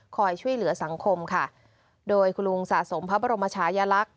ช่วยเหลือสังคมค่ะโดยคุณลุงสะสมพระบรมชายลักษณ